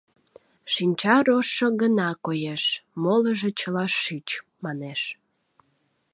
Шинча рожшо гына коеш, молыжо чыла шӱч, манеш.